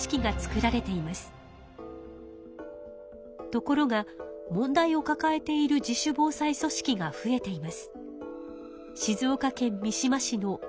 ところが問題をかかえている自主防災組織が増えています。